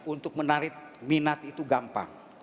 untuk menarik minat itu gampang